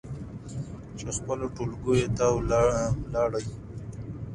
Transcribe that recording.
چې خپلو ټولګيو ته ولاړې